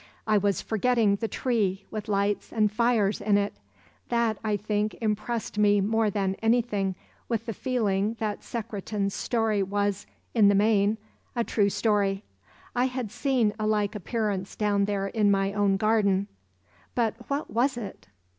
I was forgetting the 'tree' with lights and fires in it; that, I think, impressed me more than anything with the feeling that Secretan's story was, in the main, a true story. I had seen a like appearance down there in my own garden; but what was it?